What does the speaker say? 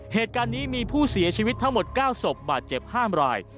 เหตุการณ์นี้มีผู้เสียชีวิตทั้งหมด๙ศพบาดเจ็บ๕ราย